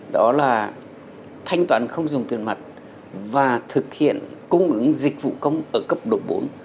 đó là thanh toán không dùng tiền mặt và thực hiện cung ứng dịch vụ công ở cấp độ bốn